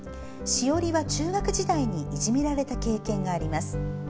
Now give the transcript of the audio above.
志織は中学時代にいじめられた経験があります。